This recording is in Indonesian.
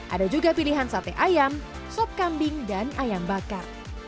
ada juga pilihan sate ayam sop kambing dan ayam bakar